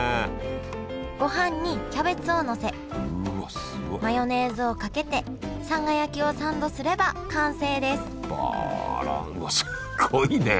ご飯にキャベツをのせマヨネーズをかけてさんが焼きをサンドすれば完成ですわあすごいね。